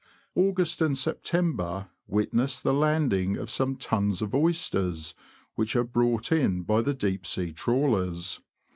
August and September witness the landing of some tons of oysters, which are brought in by the deep sea trawlers.